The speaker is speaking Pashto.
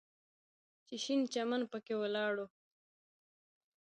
چې شين چمن پکښې ولاړ و.